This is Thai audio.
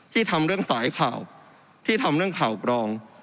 ทำเรื่องสายข่าวที่ทำเรื่องข่าวปลอม